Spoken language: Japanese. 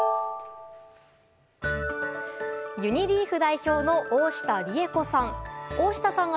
ユニリーフ代表の大下利栄子さん。